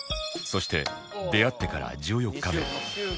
そして出会ってから１４日目